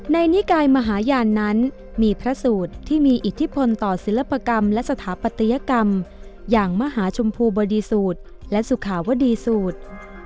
นิกายมหาญาณนั้นมีพระสูตรที่มีอิทธิพลต่อศิลปกรรมและสถาปัตยกรรมอย่างมหาชมพูบดีสูตรและสุขาวดีสูตร